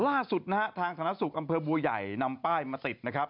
ล่าสุดนะฮะทางธนสุขอำเภอบัวใหญ่นำป้ายมาติดนะครับ